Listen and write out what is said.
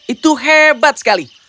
itu hebat sekali